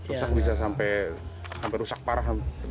rusak bisa sampai rusak parah